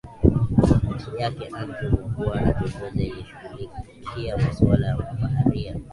ti yake andrew mwagura kiongozi anayeshughulikia maswala ya mabaharia